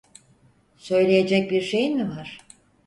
Söyleyecek bir şeyin mi var?